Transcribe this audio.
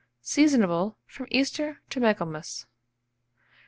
Seasonable from Easter to Michaelmas.